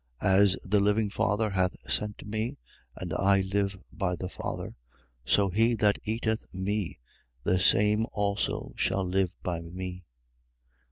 6:58. As the living Father hath sent me and I live by the Father: so he that eateth me, the same also shall live by me.